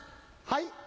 はい。